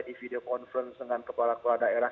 di video conference dengan kepala kepala daerah